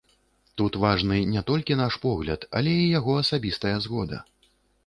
Тут важны не толькі наш погляд, але і яго асабістая згода.